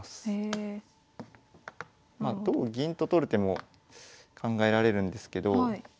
まあ同銀と取る手も考えられるんですけど。